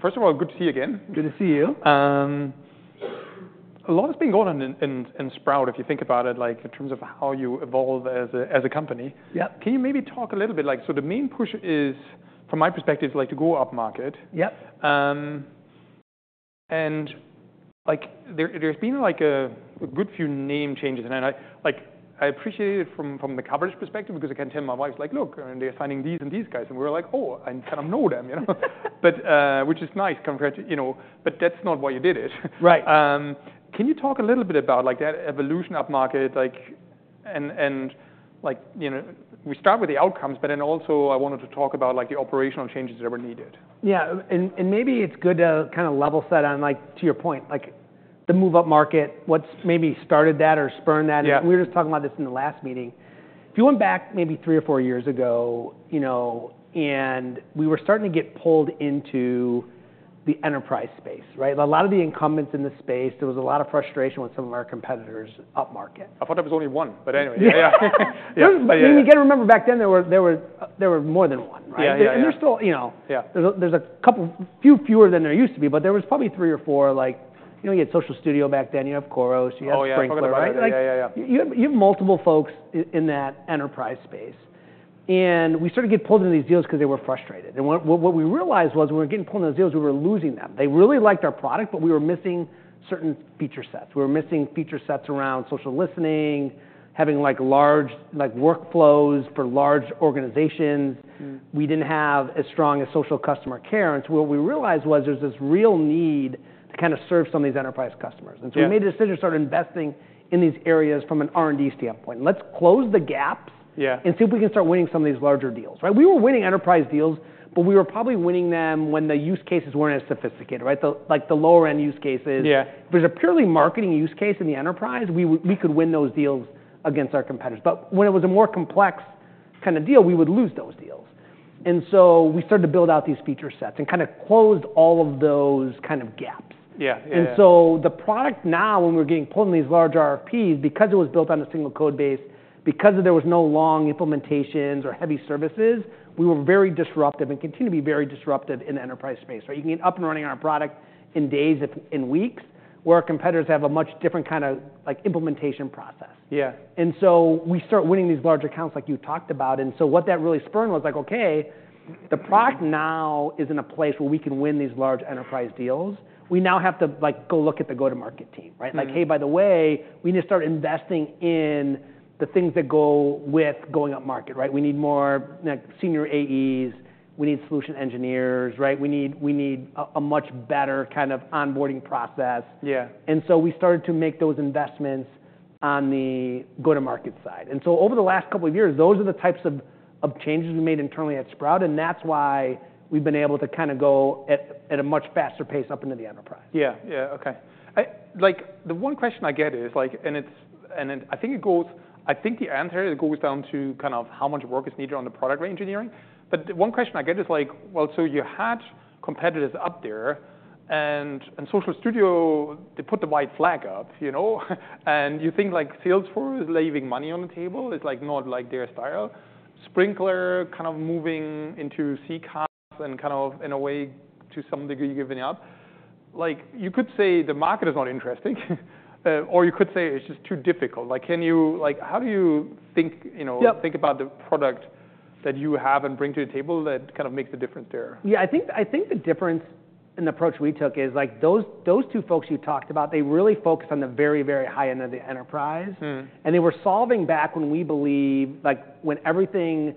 First of all, good to see you again. Good to see you. A lot has been going on in Sprout, if you think about it, like, in terms of how you evolve as a company. Yep. Can you maybe talk a little bit, like, so the main push is, from my perspective, like, to go upmarket? Yep. And, like, there's been a good few name changes, and I, like, appreciate it from the coverage perspective because I can tell my wife, like, "Look, they're signing these and these guys," and we're like, "Oh, I kind of know them," you know? But which is nice compared to, you know, but that's not why you did it. Right. Can you talk a little bit about, like, that evolution upmarket, like, and, like, you know, we start with the outcomes, but then also I wanted to talk about, like, the operational changes that were needed? Yeah, and maybe it's good to kind of level set on, like, to your point, like, the move upmarket, what's maybe started that or spurred that. Yeah. And we were just talking about this in the last meeting. If you went back maybe three or four years ago, you know, and we were starting to get pulled into the enterprise space, right? A lot of the incumbents in the space, there was a lot of frustration with some of our competitors upmarket. I thought it was only one, but anyway. Yeah, yeah. Yeah. But, yeah. I mean, you gotta remember back then there were more than one, right? Yeah, yeah. And there's still, you know. Yeah. There's a couple, a few fewer than there used to be, but there was probably three or four, like, you know, you had Social Studio back then, you have Khoros, you have Sprinklr, right? Oh, yeah, yeah, yeah, yeah. You have multiple folks in that enterprise space, and we started getting pulled into these deals 'cause they were frustrated. And what we realized was when we were getting pulled into those deals, we were losing them. They really liked our product, but we were missing certain feature sets. We were missing feature sets around social listening, having, like, large, like, workflows for large organizations. We didn't have as strong a social customer care. And so what we realized was there's this real need to kind of serve some of these enterprise customers. Yeah. And so we made a decision to start investing in these areas from an R&D standpoint. Let's close the gaps. Yeah. See if we can start winning some of these larger deals, right? We were winning enterprise deals, but we were probably winning them when the use cases weren't as sophisticated, right? The, like, the lower-end use cases. Yeah. If it was a purely marketing use case in the enterprise, we would, we could win those deals against our competitors. But when it was a more complex kind of deal, we would lose those deals. And so we started to build out these feature sets and kind of closed all of those kind of gaps. Yeah, yeah, yeah. And so the product now, when we're getting pulled in these large RFPs, because it was built on a single code base, because there was no long implementations or heavy services, we were very disruptive and continue to be very disruptive in the enterprise space, right? You can get up and running on a product in days if in weeks where our competitors have a much different kind of, like, implementation process. Yeah. And so we start winning these large accounts like you talked about. And so what that really spurred was, like, okay, the product now is in a place where we can win these large enterprise deals. We now have to, like, go look at the go-to-market team, right? Yeah. Like, "Hey, by the way, we need to start investing in the things that go with going upmarket," right? We need more, like, senior AEs, we need solution engineers, right? We need a much better kind of onboarding process. Yeah. And so we started to make those investments on the go-to-market side. And so over the last couple of years, those are the types of changes we made internally at Sprout, and that's why we've been able to kind of go at a much faster pace up into the enterprise. Yeah, yeah, okay. Like, the one question I get is, and I think the answer goes down to kind of how much work is needed on the product R&D engineering, but the one question I get is, like, well, so you had competitors up there, and Social Studio, they put the white flag up, you know, and you think, like, Salesforce is leaving money on the table. It's like not, like, their style. Sprinklr kind of moving into CCaaS and kind of, in a way, to some degree, giving up. Like, you could say the market is not interesting, or you could say it's just too difficult. Like, can you, like, how do you think, you know. Yeah. Think about the product that you have and bring to the table that kind of makes the difference there? Yeah, I think the difference in the approach we took is, like, those two folks you talked about. They really focused on the very, very high end of the enterprise, and they were solving back when, we believe, like, when everything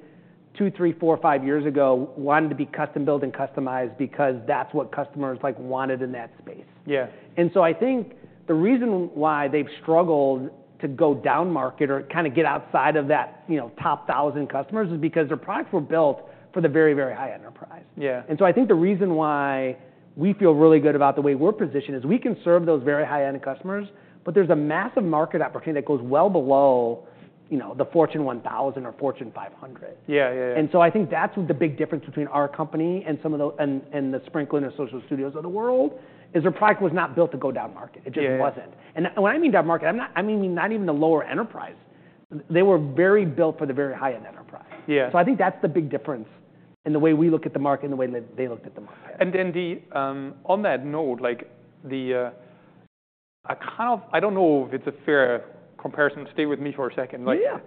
two, three, four, five years ago wanted to be custom-built and customized because that's what customers, like, wanted in that space. Yeah. And so I think the reason why they've struggled to go downmarket or kind of get outside of that, you know, top thousand customers is because their products were built for the very, very high enterprise. Yeah. And so I think the reason why we feel really good about the way we're positioned is we can serve those very high-end customers, but there's a massive market opportunity that goes well below, you know, the Fortune 1000 or Fortune 500. Yeah, yeah, yeah. I think that's the big difference between our company and some of the Sprinklr and Social Studio of the world is their product was not built to go downmarket. Yeah. It just wasn't. And when I mean downmarket, I'm not. I mean, not even the lower enterprise. They were very built for the very high-end enterprise. Yeah. So I think that's the big difference in the way we look at the market and the way they looked at the market. On that note, like, I kind of, I don't know if it's a fair comparison. Stay with me for a second. Yeah.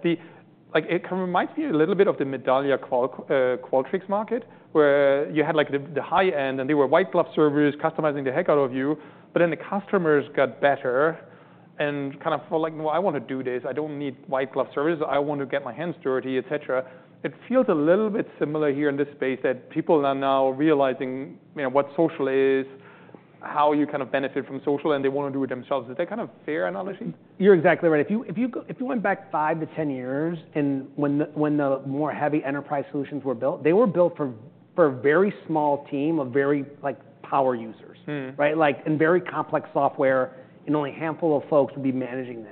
Like, it kind of reminds me a little bit of the Medallia, Qualtrics market where you had, like, the high end, and they were white-glove service customizing the heck out of you, but then the customers got better and kind of were like, "No, I want to do this. I don't need white-glove service. I want to get my hands dirty," et cetera. It feels a little bit similar here in this space that people are now realizing, you know, what social is, how you kind of benefit from social, and they want to do it themselves. Is that kind of a fair analogy? You're exactly right. If you went back five to ten years and when the more heavy enterprise solutions were built, they were built for a very small team of very, like, power users. Right? Like, and very complex software and only a handful of folks would be managing this.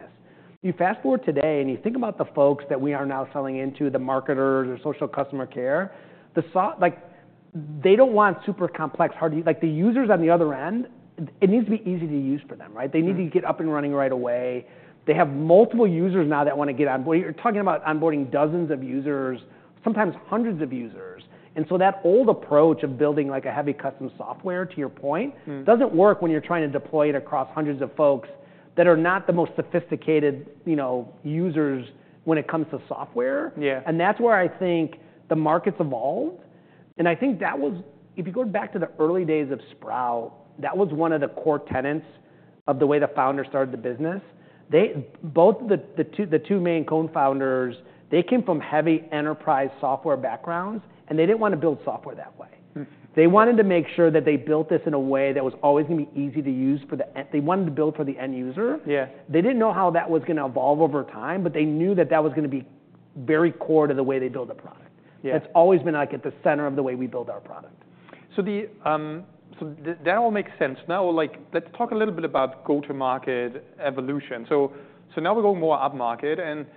You fast-forward today and you think about the folks that we are now selling into the marketers or social customer care. So like, they don't want super complex, hard-to-use, like, the users on the other end. It needs to be easy to use for them, right? Yeah. They need to get up and running right away. They have multiple users now that want to get onboarded. You're talking about onboarding dozens of users, sometimes hundreds of users, and so that old approach of building, like, a heavy custom software, to your point. Doesn't work when you're trying to deploy it across hundreds of folks that are not the most sophisticated, you know, users when it comes to software. Yeah. And that's where I think the market's evolved. And I think that was, if you go back to the early days of Sprout, that was one of the core tenets of the way the founders started the business. They, both the two main co-founders, they came from heavy enterprise software backgrounds, and they didn't want to build software that way. They wanted to make sure that they built this in a way that was always going to be easy to use for the end. They wanted to build for the end user. Yeah. They didn't know how that was going to evolve over time, but they knew that that was going to be very core to the way they build a product. Yeah. That's always been, like, at the center of the way we build our product. So that all makes sense. Now, like, let's talk a little bit about go-to-market evolution. So now we're going more upmarket, and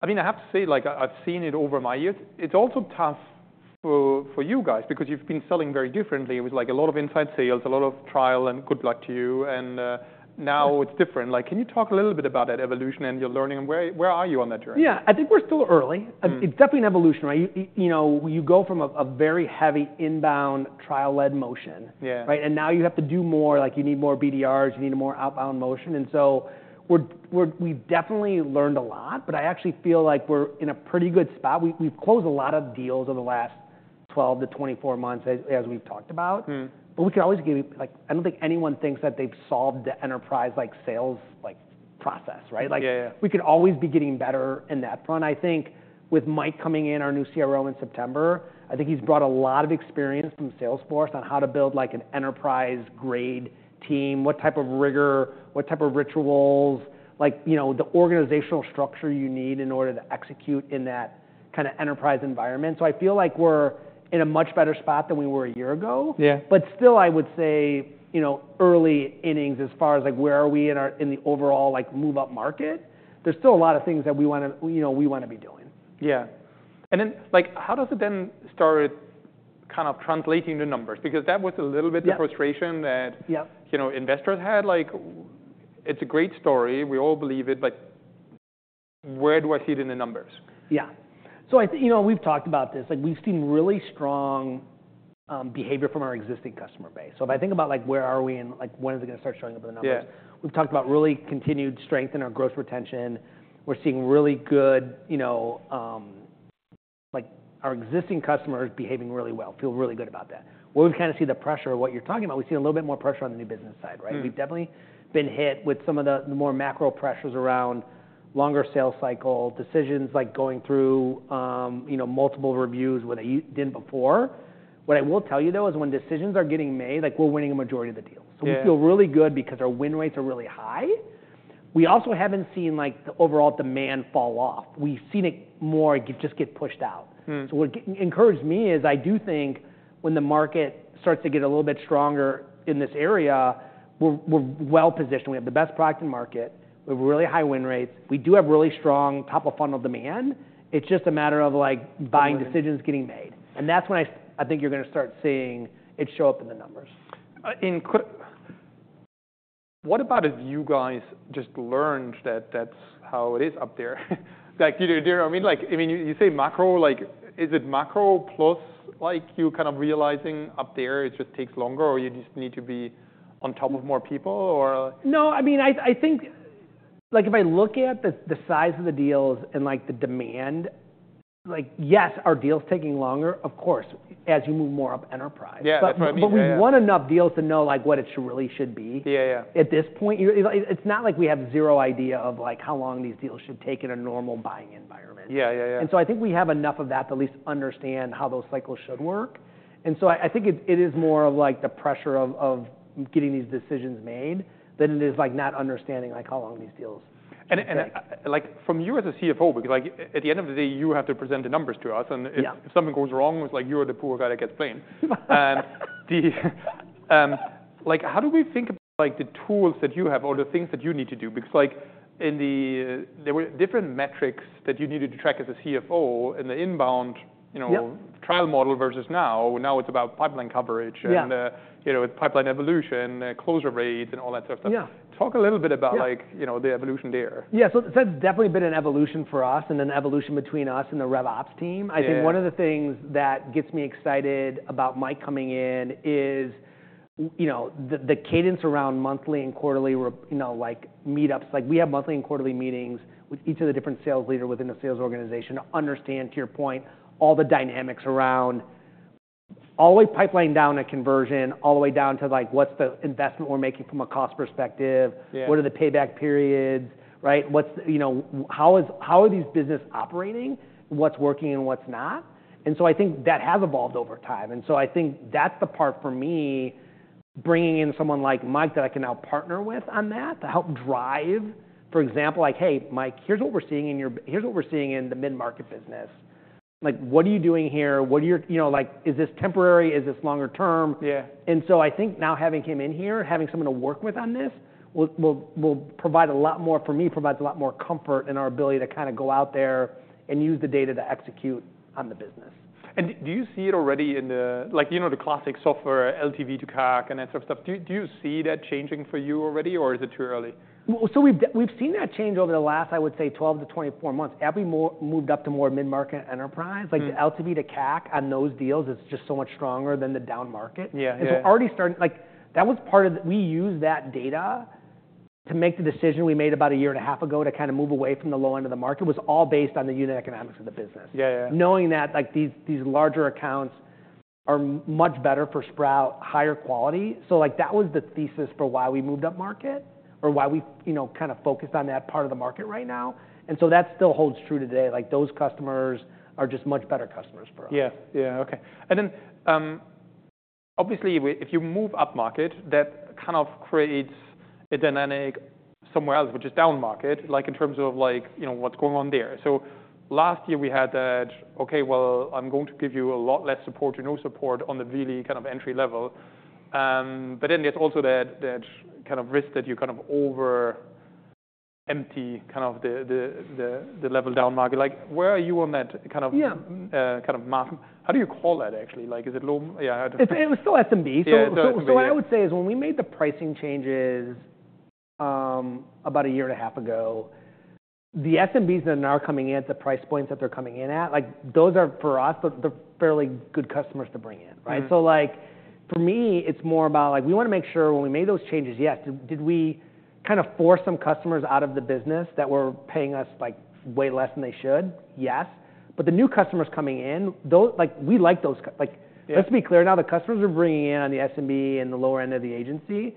I mean, I have to say, like, I've seen it over my years. It's also tough for you guys because you've been selling very differently. It was, like, a lot of inside sales, a lot of trial, and good luck to you. And now it's different. Like, can you talk a little bit about that evolution and your learning, and where are you on that journey? Yeah, I think we're still early. Yeah. It's definitely an evolution, right? You know, you go from a very heavy inbound trial-led motion. Yeah. Right? And now you have to do more, like, you need more BDRs, you need a more outbound motion. And so we're, we've definitely learned a lot, but I actually feel like we're in a pretty good spot. We've closed a lot of deals over the last 12 to 24 months, as we've talked about. But we could always get, like, I don't think anyone thinks that they've solved the enterprise, like, sales, like, process, right? Yeah, yeah. Like, we could always be getting better in that front. I think with Mike coming in, our new CRO, in September, I think he's brought a lot of experience from Salesforce on how to build, like, an enterprise-grade team, what type of rigor, what type of rituals, like, you know, the organizational structure you need in order to execute in that kind of enterprise environment. So I feel like we're in a much better spot than we were a year ago. Yeah. But still, I would say, you know, early innings as far as, like, where are we in our, in the overall, like, move upmarket, there's still a lot of things that we want to, you know, we want to be doing. Yeah, and then, like, how does it then start kind of translating the numbers? Because that was a little bit the frustration. Yeah. That, you know, investors had, like, "it's a great story." We all believe it, but where do I see it in the numbers? Yeah, so I think, you know, we've talked about this. Like, we've seen really strong behavior from our existing customer base, so if I think about, like, where are we and, like, when is it going to start showing up in the numbers? Yeah. We've talked about really continued strength in our gross retention. We're seeing really good, you know, like, our existing customers behaving really well, feel really good about that. Where we kind of see the pressure, what you're talking about, we see a little bit more pressure on the new business side, right? Mm-hmm. We've definitely been hit with some of the more macro pressures around longer sales cycle decisions, like going through, you know, multiple reviews where they didn't before. What I will tell you, though, is when decisions are getting made, like, we're winning a majority of the deals. So we feel really good because our win rates are really high. We also haven't seen, like, the overall demand fall off. We've seen it more just get pushed out. So what encouraged me is I do think when the market starts to get a little bit stronger in this area, we're well-positioned. We have the best product in market. We have really high win rates. We do have really strong top-of-funnel demand. It's just a matter of, like, buying decisions getting made. That's when I think you're going to start seeing it show up in the numbers. What about if you guys just learned that that's how it is up there? Like, do you know what I mean? Like, I mean, you say macro. Like, is it macro plus? Like, you kind of realizing up there it just takes longer or you just need to be on top of more people or? No, I mean, I think, like, if I look at the size of the deals and, like, the demand, like, yes, our deal's taking longer, of course, as you move more up enterprise. Yeah, but I mean, yeah. But we want enough deals to know, like, what it really should be. Yeah, yeah. At this point, you're, it's not like we have zero idea of, like, how long these deals should take in a normal buying environment. Yeah, yeah, yeah. I think we have enough of that to at least understand how those cycles should work. I think it is more of, like, the pressure of getting these decisions made than it is, like, not understanding, like, how long these deals should take. Like, from you as a CFO, because, like, at the end of the day, you have to present the numbers to us. Yeah. If something goes wrong, it's like you're the poor guy that gets blamed. Like, how do we think about, like, the tools that you have or the things that you need to do? Because, like, in the, there were different metrics that you needed to track as a CFO in the inbound, you know. Yeah. Trial model versus now. Now it's about pipeline coverage. Yeah. You know, it's pipeline evolution, closure rates, and all that stuff. Yeah. Talk a little bit about, like, you know, the evolution there. Yeah, so that's definitely been an evolution for us and an evolution between us and the RevOps team. Yeah. I think one of the things that gets me excited about Mike coming in is, you know, the cadence around monthly and quarterly, you know, like, meetups. Like, we have monthly and quarterly meetings with each of the different sales leaders within the sales organization to understand, to your point, all the dynamics around all the way pipeline down to conversion, all the way down to, like, what's the investment we're making from a cost perspective. Yeah. What are the payback periods, right? What's, you know, how is, how are these businesses operating, what's working and what's not? And so I think that has evolved over time. And so I think that's the part for me, bringing in someone like Mike that I can now partner with on that to help drive, for example, like, "Hey, Mike, here's what we're seeing in the mid-market business. Like, what are you doing here? What are your, you know, like, is this temporary? Is this longer term? Yeah. And so I think now having him in here, having someone to work with on this will provide a lot more for me, provides a lot more comfort in our ability to kind of go out there and use the data to execute on the business. And do you see it already in the, like, you know, the classic software LTV to CAC and that sort of stuff? Do you see that changing for you already or is it too early? We've seen that change over the last 12-24 months, I would say. We've more moved up to more mid-market enterprise. Like, the LTV to CAC on those deals is just so much stronger than the downmarket. Yeah, yeah. And so, already starting, like, that was part of the. We used that data to make the decision we made about a year and a half ago to kind of move away from the low end of the market, was all based on the unit economics of the business. Yeah, yeah, yeah. Knowing that, like, these larger accounts are much better for Sprout, higher quality. So, like, that was the thesis for why we moved upmarket or why we, you know, kind of focused on that part of the market right now. And so that still holds true today. Like, those customers are just much better customers for us. Yeah, yeah. Okay. And then, obviously, if you move upmarket, that kind of creates a dynamic somewhere else, which is downmarket, like, in terms of, like, you know, what's going on there. So last year we had that, "Okay, well, I'm going to give you a lot less support or no support on the really kind of entry level," but then there's also that kind of risk that you kind of over-empty kind of the level downmarket. Like, where are you on that kind of? Yeah. Kind of math? How do you call that, actually? Like, is it low? Yeah. It was still SMB. Yeah, yeah, yeah. What I would say is when we made the pricing changes, about a year and a half ago, the SMBs that are now coming in at the price points that they're coming in at, like, those are for us. They're fairly good customers to bring in, right? Yeah. Like, for me, it's more about, like, we want to make sure when we made those changes, yes, did we kind of force some customers out of the business that were paying us, like, way less than they should? Yes. But the new customers coming in, those, like, we like those. Yeah. Let's be clear now, the customers we're bringing in on the SMB and the lower end of the agency,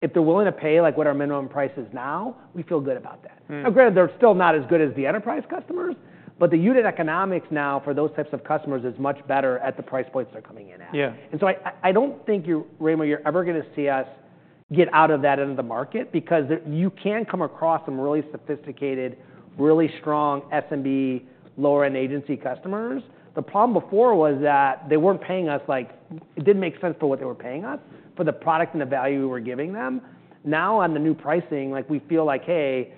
if they're willing to pay, like, what our minimum price is now, we feel good about that. Now, granted, they're still not as good as the enterprise customers, but the unit economics now for those types of customers is much better at the price points they're coming in at. Yeah. I don't think you, Raimo, you're ever going to see us get out of that end of the market because you can come across some really sophisticated, really strong SMB, lower-end agency customers. The problem before was that they weren't paying us, like, it didn't make sense for what they were paying us for the product and the value we were giving them. Now, on the new pricing, like, we feel like, "Hey,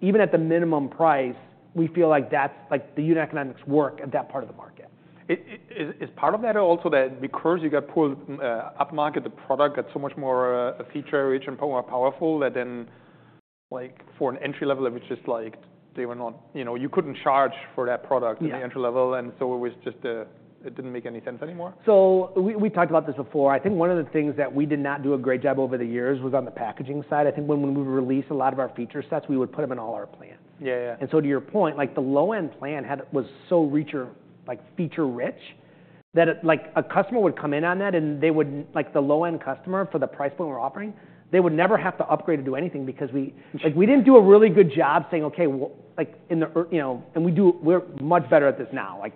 even at the minimum price, we feel like that's, like, the unit economics work at that part of the market. It is part of that also that because you got pulled upmarket, the product got so much more feature-rich and more powerful that then, like, for an entry level, it was just like, they were not, you know, you couldn't charge for that product. Yeah. In the entry level. And so it was just, it didn't make any sense anymore? We talked about this before. I think one of the things that we did not do a great job over the years was on the packaging side. I think when we would release a lot of our feature sets, we would put them in all our plans. Yeah, yeah. To your point, like, the low-end plan was so feature-rich that it, like, a customer would come in on that and they would, like, the low-end customer for the price point we're offering, they would never have to upgrade or do anything because we, like, we didn't do a really good job saying, "Okay, well, like, in the, you know," and we're much better at this now. Like,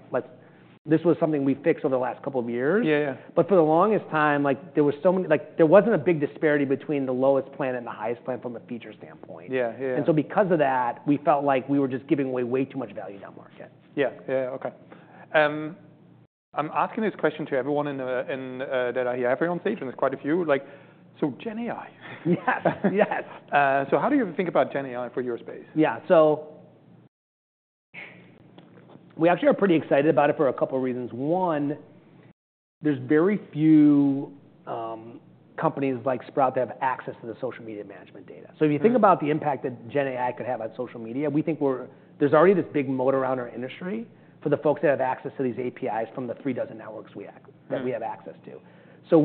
this was something we fixed over the last couple of years. Yeah, yeah. But for the longest time, like, there was so many, like, there wasn't a big disparity between the lowest plan and the highest plan from a feature standpoint. Yeah, yeah, yeah. Because of that, we felt like we were just giving away way too much value downmarket. Yeah, yeah, yeah. Okay. I'm asking this question to everyone in the that I have here on stage, and there's quite a few. Like, so GenAI. Yes, yes. So how do you think about GenAI for your space? Yeah. So we actually are pretty excited about it for a couple of reasons. One, there's very few companies like Sprout that have access to the social media management data. So if you think about the impact that GenAI could have on social media, we think there's already this big moat around our industry for the folks that have access to these APIs from the three dozen networks that we have access to. So,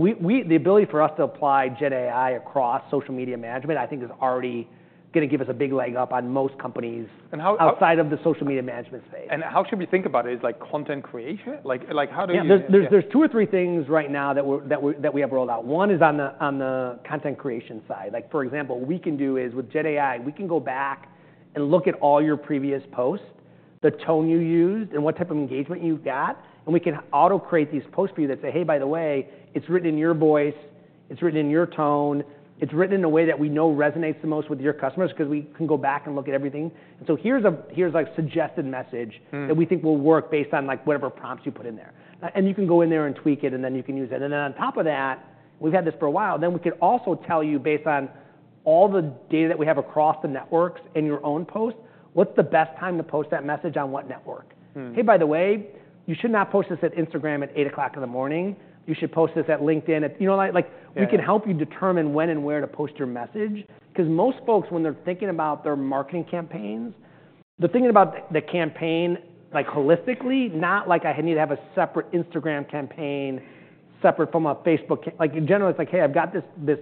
the ability for us to apply GenAI across social media management, I think, is already going to give us a big leg up on most companies. And how. Outside of the social media management space. And how should we think about it? It's like content creation. Like, how do you? Yeah. There's two or three things right now that we have rolled out. One is on the content creation side. Like, for example, what we can do is with GenAI, we can go back and look at all your previous posts, the tone you used, and what type of engagement you've got. And we can auto-create these posts for you that say, "Hey, by the way, it's written in your voice. It's written in your tone. It's written in a way that we know resonates the most with your customers because we can go back and look at everything." And so here's a suggested message that we think will work based on, like, whatever prompts you put in there. And you can go in there and tweak it, and then you can use it. Then on top of that, we've had this for a while. We could also tell you based on all the data that we have across the networks in your own post, what's the best time to post that message on what network? "Hey, by the way, you should not post this at Instagram at 8:00 A.M. You should post this at LinkedIn." You know, like, like. Yeah. We can help you determine when and where to post your message. Because most folks, when they're thinking about their marketing campaigns, they're thinking about the campaign, like, holistically, not like I need to have a separate Instagram campaign separate from a Facebook campaign. Like, in general, it's like, "Hey, I've got this, this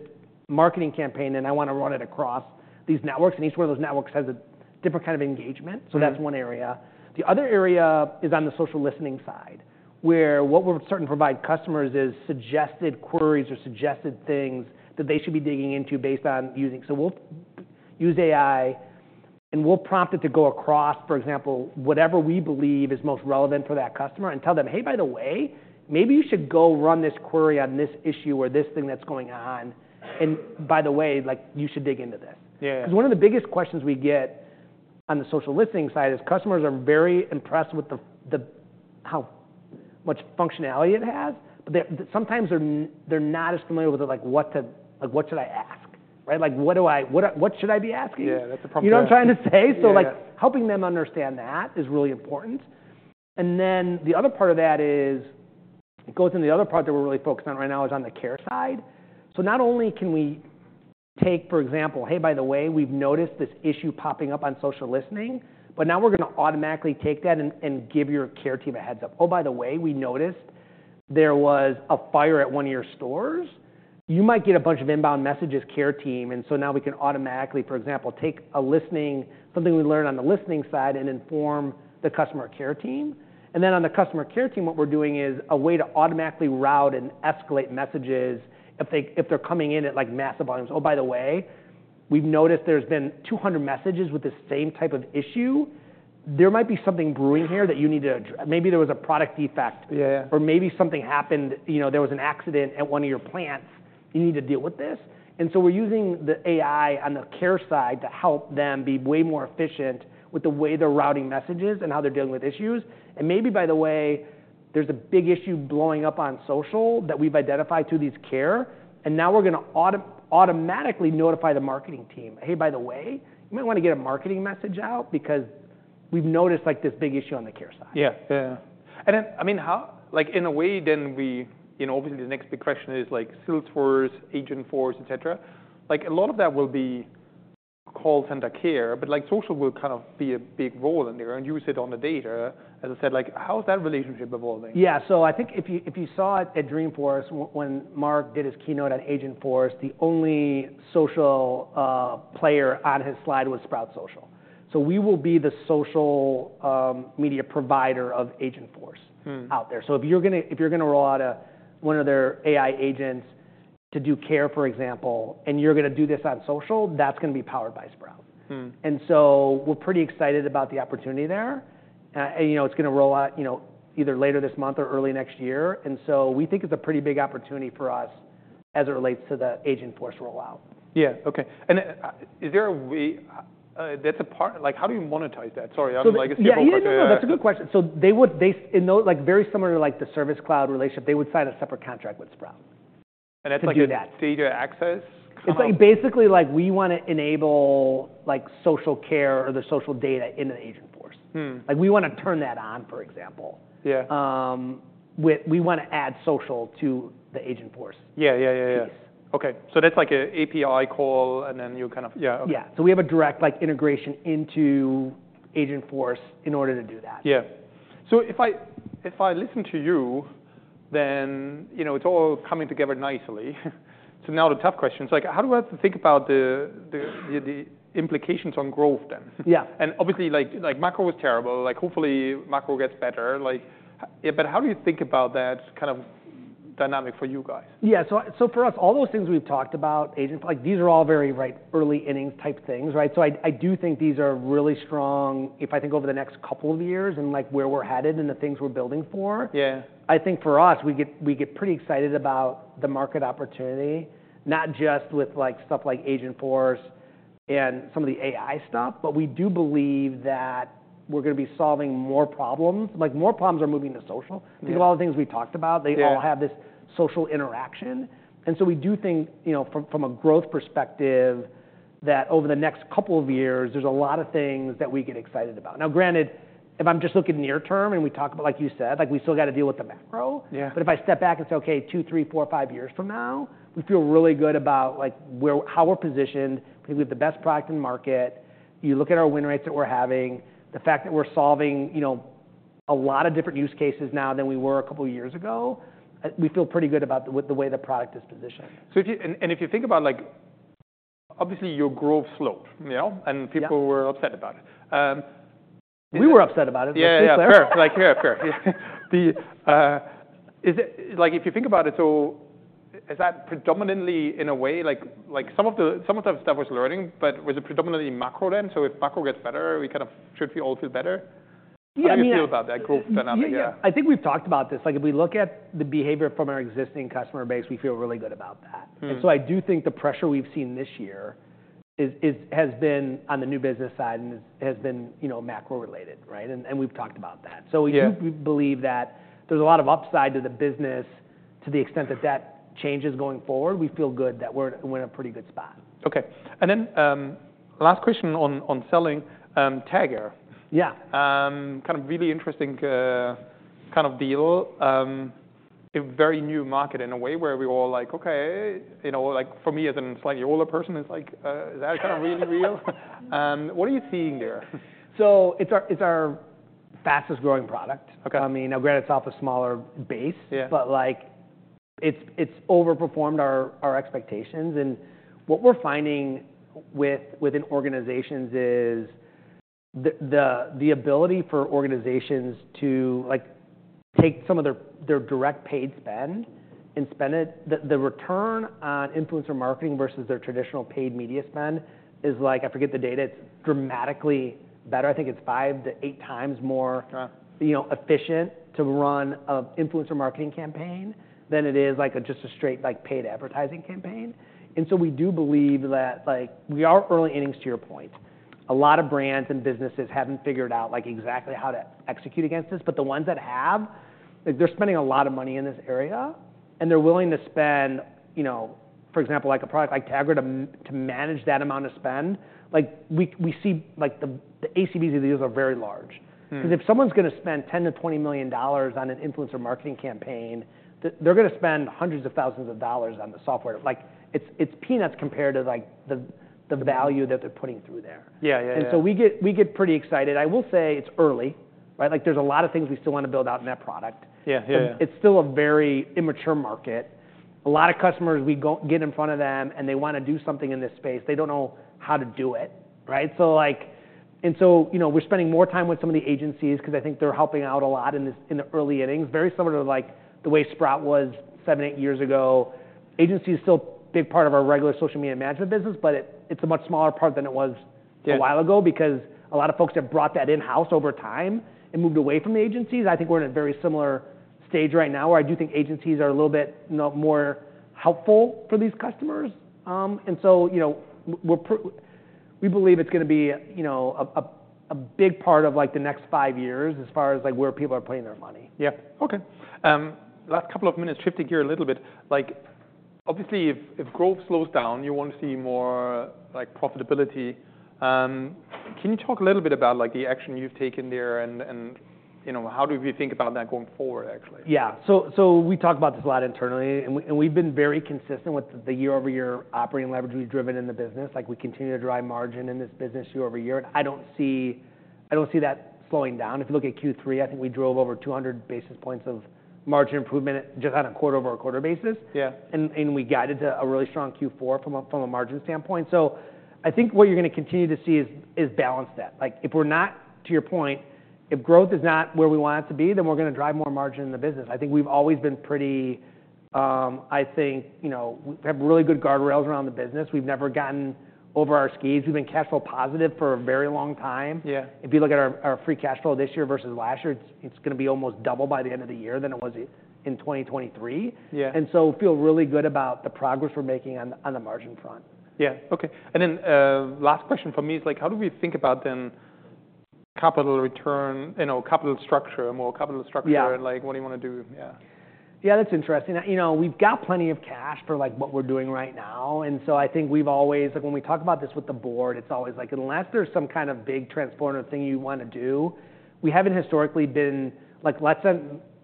marketing campaign, and I want to run it across these networks." And each one of those networks has a different kind of engagement. So that's one area. The other area is on the social listening side where what we're starting to provide customers is suggested queries or suggested things that they should be digging into based on using. So we'll use AI, and we'll prompt it to go across, for example, whatever we believe is most relevant for that customer and tell them, "Hey, by the way, maybe you should go run this query on this issue or this thing that's going on. And by the way, like, you should dig into this. Yeah, yeah. Because one of the biggest questions we get on the social listening side is customers are very impressed with how much functionality it has, but they're sometimes not as familiar with it, like what should I ask, right? Like, what should I be asking? Yeah, that's a problem. You know what I'm trying to say? Yeah. So, like, helping them understand that is really important. And then the other part of that is, it goes in the other part that we're really focused on right now is on the care side. So not only can we take, for example, "Hey, by the way, we've noticed this issue popping up on social listening," but now we're going to automatically take that and give your care team a heads up. "Oh, by the way, we noticed there was a fire at one of your stores." You might get a bunch of inbound messages, care team. And so now we can automatically, for example, take a listening, something we learned on the listening side and inform the customer care team. And then on the customer care team, what we're doing is a way to automatically route and escalate messages if they, if they're coming in at, like, massive volumes. "Oh, by the way, we've noticed there's been 200 messages with the same type of issue. There might be something brewing here that you need to address. Maybe there was a product defect. Yeah, yeah. Or maybe something happened, you know, there was an accident at one of your plants. You need to deal with this. And so we're using the AI on the care side to help them be way more efficient with the way they're routing messages and how they're dealing with issues. And maybe, by the way, there's a big issue blowing up on social that we've identified through these care. And now we're going to automatically notify the marketing team. "Hey, by the way, you might want to get a marketing message out because we've noticed, like, this big issue on the care side. Yeah, yeah, yeah. And then, I mean, how, like, in a way, then we, you know, obviously the next big question is, like, Salesforce, Agentforce, et cetera. Like, a lot of that will be call center care, but, like, social will kind of be a big role in there and use it on the data. As I said, like, how's that relationship evolving? Yeah. So I think if you, if you saw it at Dreamforce, when Marc did his keynote on Agentforce, the only social player on his slide was Sprout Social. So we will be the social media provider of Agentforce out there. So if you're going to, if you're going to roll out a one of their AI agents to do care, for example, and you're going to do this on social, that's going to be powered by Sprout. And so we're pretty excited about the opportunity there. And, you know, it's going to roll out, you know, either later this month or early next year. And so we think it's a pretty big opportunity for us as it relates to the Agentforce rollout. Yeah. Okay, and is there a way? That's a part, like, how do you monetize that? Sorry, I'm like a simple question. Yeah, yeah, yeah, yeah. That's a good question. So they would, they, in those, like, very similar to, like, the Service Cloud relationship, they would sign a separate contract with Sprout. That's like. To do that. Data access? It's like basically, like, we want to enable, like, social care or the social data into the Agentforce. Like, we want to turn that on, for example. Yeah. With, we want to add social to the Agentforce. Yeah, yeah, yeah, yeah. Piece. Okay. So that's like an API call and then you kind of, yeah. Okay. Yeah, so we have a direct, like, integration into Agentforce in order to do that. Yeah. So if I listen to you, then, you know, it's all coming together nicely. So now the tough question is like, how do I think about the implications on growth then? Yeah. And obviously, like, macro was terrible. Like, hopefully macro gets better. Like, but how do you think about that kind of dynamic for you guys? Yeah. So for us, all those things we've talked about, Agent, like, these are all very, right, early innings type things, right? So I do think these are really strong if I think over the next couple of years and, like, where we're headed and the things we're building for. Yeah. I think for us, we get pretty excited about the market opportunity, not just with, like, stuff like Agentforce and some of the AI stuff, but we do believe that we're going to be solving more problems. Like, more problems are moving to social. Think of all the things we talked about. Yeah. They all have this social interaction. And so we do think, you know, from a growth perspective that over the next couple of years, there's a lot of things that we get excited about. Now, granted, if I'm just looking near term and we talk about, like you said, like, we still got to deal with the macro. Yeah. But if I step back and say, "Okay, two, three, four, five years from now, we feel really good about, like, where how we're positioned. I think we have the best product in the market. You look at our win rates that we're having, the fact that we're solving, you know, a lot of different use cases now than we were a couple of years ago, we feel pretty good about the way the product is positioned. So if you think about, like, obviously your growth slope, you know, and people were upset about it. We were upset about it. Yeah, yeah, yeah. Let's be clear. Like, yeah, yeah. Is it, like, some of the stuff was learning, but was it predominantly macro then? So if macro gets better, we kind of should all feel better? Yeah. I mean. How do you feel about that growth dynamic? Yeah. I think we've talked about this. Like, if we look at the behavior from our existing customer base, we feel really good about that. And so I do think the pressure we've seen this year is, has been on the new business side and has been, you know, macro-related, right? And we've talked about that. Yeah. So we do believe that there's a lot of upside to the business to the extent that that change is going forward. We feel good that we're in a pretty good spot. Okay. And then, last question on selling, Tagger. Yeah. Kind of really interesting, kind of deal. A very new market in a way where we were all like, "Okay," you know, like, for me as a slightly older person, it's like, is that kind of really real? What are you seeing there? So it's our fastest growing product. Okay. I mean, now granted it's off a smaller base. Yeah. But like, it's overperformed our expectations. And what we're finding within organizations is the ability for organizations to, like, take some of their direct paid spend and spend it. The return on influencer marketing versus their traditional paid media spend is like, I forget the data, it's dramatically better. I think it's five to eight times more. Yeah. You know, efficient to run an influencer marketing campaign than it is like a just a straight, like, paid advertising campaign. And so we do believe that, like, we are early innings, to your point. A lot of brands and businesses haven't figured out, like, exactly how to execute against this, but the ones that have, like, they're spending a lot of money in this area and they're willing to spend, you know, for example, like a product like Tagger to manage that amount of spend. Like, we see, like, the ACVs of these are very large. Because if someone's going to spend $10-$20 million on an influencer marketing campaign, they're going to spend hundreds of thousands of dollars on the software. Like, it's peanuts compared to, like, the value that they're putting through there. Yeah, yeah, yeah. And so we get pretty excited. I will say it's early, right? Like, there's a lot of things we still want to build out in that product. Yeah, yeah. It's still a very immature market. A lot of customers, we go get in front of them and they want to do something in this space. They don't know how to do it, right? So like, and so, you know, we're spending more time with some of the agencies because I think they're helping out a lot in this, in the early innings. Very similar to, like, the way Sprout was seven, eight years ago. Agency is still a big part of our regular social media management business, but it's a much smaller part than it was a while ago because a lot of folks have brought that in-house over time and moved away from the agencies. I think we're in a very similar stage right now where I do think agencies are a little bit more helpful for these customers. And so, you know, we believe it's going to be, you know, a big part of, like, the next five years as far as, like, where people are putting their money. Yeah. Okay. Last couple of minutes, shifting gear a little bit. Like, obviously if growth slows down, you want to see more, like, profitability. Can you talk a little bit about, like, the action you've taken there and, you know, how do we think about that going forward, actually? Yeah. So, so we talk about this a lot internally. And we've been very consistent with the year-over-year operating leverage we've driven in the business. Like, we continue to drive margin in this business year over year. And I don't see that slowing down. If you look at Q3, I think we drove over 200 basis points of margin improvement just on a quarter-over-a-quarter basis. Yeah. We guided to a really strong Q4 from a margin standpoint. So I think what you're going to continue to see is balance that. Like, if we're not, to your point, if growth is not where we want it to be, then we're going to drive more margin in the business. I think we've always been pretty, I think, you know, we have really good guardrails around the business. We've never gotten over our skis. We've been cash flow positive for a very long time. Yeah. If you look at our free cash flow this year versus last year, it's going to be almost double by the end of the year than it was in 2023. Yeah. And so we feel really good about the progress we're making on the margin front. Yeah. Okay. And then, last question for me is like, how do we think about then capital return, you know, capital structure, more capital structure? Yeah. Like, what do you want to do? Yeah. Yeah, that's interesting. You know, we've got plenty of cash for, like, what we're doing right now. And so I think we've always, like, when we talk about this with the board, it's always like, unless there's some kind of big transformative thing you want to do, we haven't historically been, like, let's not,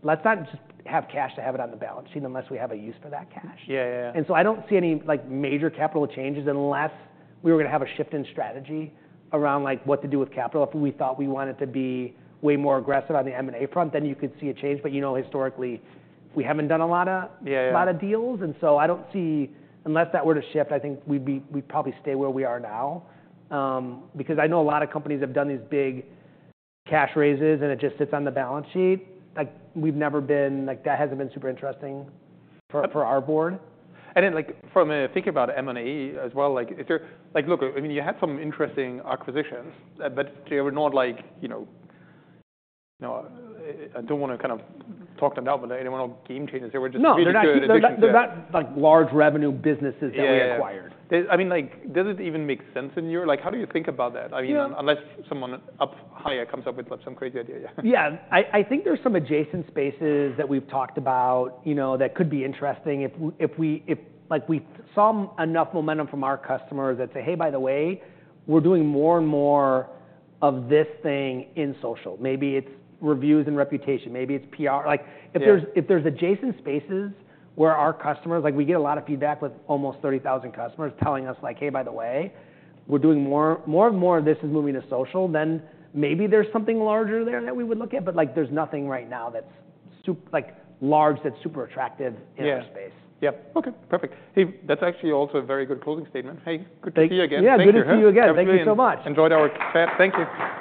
let's not just have cash to have it on the balance sheet unless we have a use for that cash. Yeah, yeah, yeah. And so I don't see any, like, major capital changes unless we were going to have a shift in strategy around, like, what to do with capital. If we thought we wanted to be way more aggressive on the M&A front, then you could see a change. But you know, historically, we haven't done a lot of. Yeah, yeah. A lot of deals and so I don't see, unless that were to shift, I think we'd be, we'd probably stay where we are now because I know a lot of companies have done these big cash raises and it just sits on the balance sheet. Like, we've never been, like, that hasn't been super interesting for our board. Then, like, from a thinking about M&A as well, like, if they're, like, look, I mean, you had some interesting acquisitions, but they were not like, you know, I don't want to kind of talk them down, but they weren't all game changers. They were just really good. No, they're not, like, large revenue businesses that we acquired. Yeah. I mean, like, does it even make sense in your, like, how do you think about that? Yeah. I mean, unless someone up higher comes up with, like, some crazy idea. Yeah. Yeah. I think there's some adjacent spaces that we've talked about, you know, that could be interesting if, like, we saw enough momentum from our customers that say, "Hey, by the way, we're doing more and more of this thing in social." Maybe it's reviews and reputation. Maybe it's PR. Like, if there's adjacent spaces where our customers, like, we get a lot of feedback with almost 30,000 customers telling us, like, "Hey, by the way, we're doing more and more of this is moving to social," then maybe there's something larger there that we would look at. But like, there's nothing right now that's super, like, large that's super attractive in our space. Yeah. Yep. Okay. Perfect. Hey, that's actually also a very good closing statement. Hey, good to see you again. Thank you. Yeah, good to see you again. Thank you so much. Enjoyed our chat. Thank you.